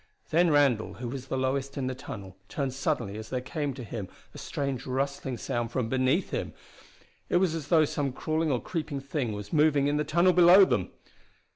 Then Randall, who was lowest in the tunnel, turned suddenly as there came to him a strange rustling sound from beneath him. It was as though some crawling or creeping thing was moving in the tunnel below them!